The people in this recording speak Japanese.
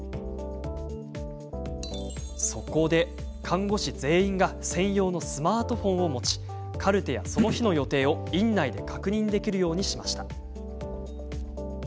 そこで、看護師全員が専用のスマートフォンを持ちカルテやその日の予定を院内で確認できるようにしました。